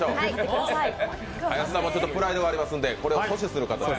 林さんもプライドがありますので、これを阻止する形で。